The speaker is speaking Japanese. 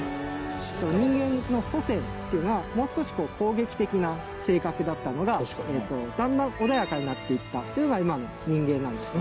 人間の祖先というのはもう少しこう攻撃的な性格だったのがだんだん穏やかになっていったっていうのが今の人間なんですね